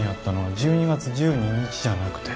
１２月１２日じゃなくて